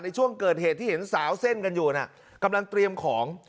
ในช่วงเกิดเหตุที่เห็นสาวเส้นกันอยู่น่ะกำลังเตรียมของ